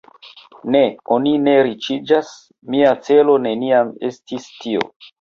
Ne, oni ne riĉiĝas … Mia celo neniam estis tio.